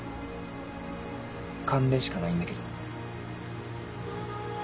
勘でしかないんだけど。